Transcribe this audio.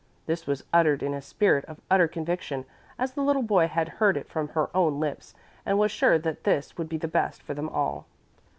This was uttered in a spirit of utter conviction, as the little boy had heard it from her own lips and was sure that this would be the best for them all.